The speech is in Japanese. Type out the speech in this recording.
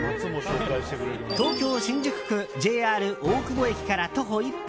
東京・新宿区ＪＲ大久保駅から徒歩１分